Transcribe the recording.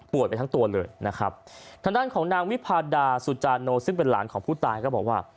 ไปทั้งตัวเลยนะครับทางด้านของนางวิพาดาสุจาโนซึ่งเป็นหลานของผู้ตายก็บอกว่า